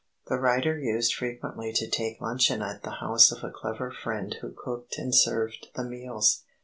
The writer used frequently to take luncheon at the house of a clever friend who cooked and served the meals.